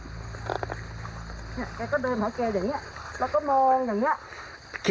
แกก็เดินเหรอแกอย่างนี้แล้วก็มองอย่างนี้